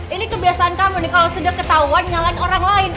ini kebiasaan kamu nih kalau sudah ketahuan nyalain orang lain